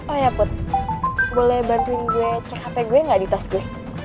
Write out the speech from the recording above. oh iya put boleh bantuin gue cek hp gue gak di tas gue